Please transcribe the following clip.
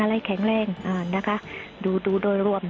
อะไรแข็งแรงนะคะดูโดยรวม